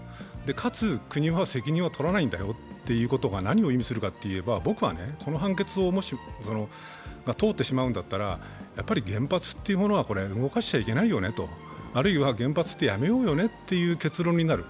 かつ国は責任をとらないんだよということが何を意味するかといえば、この判決が通ってしまうんだとしたらやっぱり原発というものは動かしちゃいけないよね、あるいは原発ってやめようよねっていう結論になる。